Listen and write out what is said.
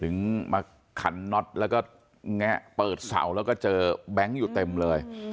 ถึงมาขันน็อตแล้วก็แงะเปิดเสาแล้วก็เจอแบงค์อยู่เต็มเลย